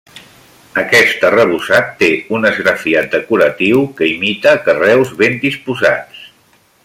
Aquest arrebossat té un esgrafiat decoratiu que imita carreus ben disposats.